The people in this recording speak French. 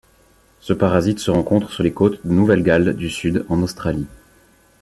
Ce parasite se rencontre sur les côtes de Nouvelles Galles du Sud, en Australie.